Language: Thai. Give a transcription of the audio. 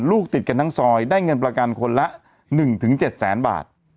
ลูกติดกันทั้งซอยได้เงินประกันคนละ๑๗แสนบาท